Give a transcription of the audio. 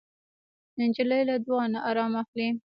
نجلۍ له دعا نه ارام اخلي.